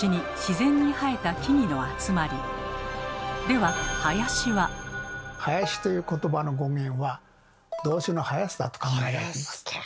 では「林」ということばの語源は動詞の「生やす」だと考えられています。